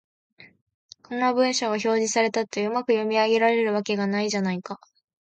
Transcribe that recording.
こんな文章が表示されたって、うまく読み上げられるわけがないじゃないか